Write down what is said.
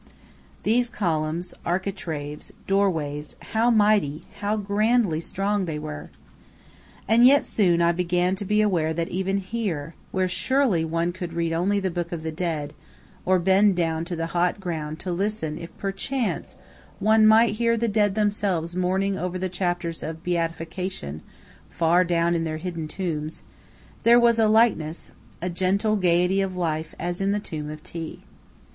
These columns, architraves, doorways, how mighty, how grandly strong they were! And yet soon I began to be aware that even here, where surely one should read only the Book of the Dead, or bend down to the hot ground to listen if perchance one might hear the dead themselves murmuring over the chapters of Beatification far down in their hidden tombs, there was a likeness, a gentle gaiety of life, as in the tomb of Thi.